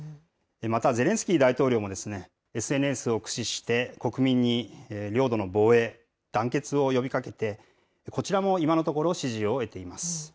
またゼレンスキー大統領もＳＮＳを駆使して、国民に領土の防衛、団結を呼びかけて、こちらも今のところ、支持を得ています。